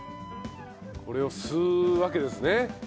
これを吸うわけですね。